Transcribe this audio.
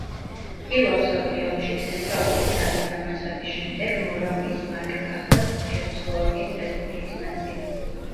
პირველ მსოფლიო ომში ცენტრალური ძალის დამარცხების შემდეგ მორავიის მარკა გახდა ჩეხოსლოვაკიის რესპუბლიკის ნაწილი.